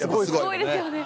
すごいですよね。